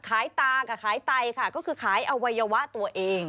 ตากับขายไตค่ะก็คือขายอวัยวะตัวเอง